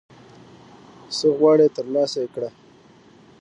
څه غواړي ترلاسه یې کړه